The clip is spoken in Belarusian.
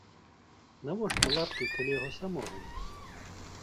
Навошта лапкі, калі яго самога няма?